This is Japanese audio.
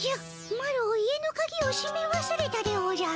マロ家のかぎをしめわすれたでおじゃる。